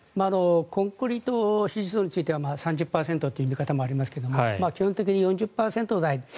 コンクリート支持層については３０％という見方もありますが基本的に４０％台。